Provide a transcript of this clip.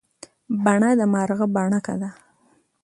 بڼه د مارغه بڼکه ده.